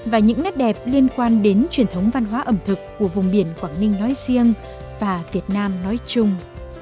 và những nét đẹp liên quan đến truyền thống văn hóa ẩm thực của vùng biển quảng ninh nói riêng và việt nam nói chung